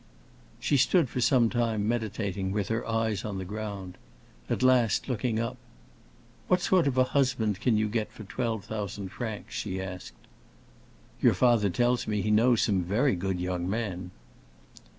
She stood for some time, meditating, with her eyes on the ground. At last, looking up, "What sort of a husband can you get for twelve thousand francs?" she asked. "Your father tells me he knows some very good young men."